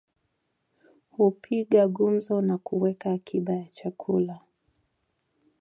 Hupiga gumzo na huweka akiba ya chakula